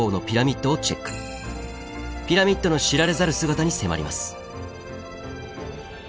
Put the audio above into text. ピラミッドの知られざる姿に迫ります。